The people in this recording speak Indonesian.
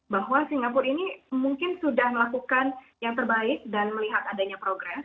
bahwa singapura ini mungkin sudah melakukan yang terbaik dan melihat adanya progres